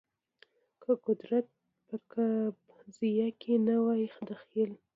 که قدرت په قضیه کې نه وای دخیل